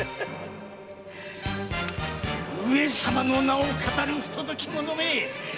上様の名を騙る不届き者め！